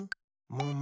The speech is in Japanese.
むむ？